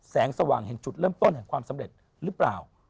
สว่างแห่งจุดเริ่มต้นแห่งความสำเร็จหรือเปล่า